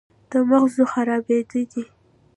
د مغزو خرابېده دي